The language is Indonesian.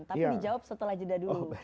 tapi dijawab setelah jeda dulu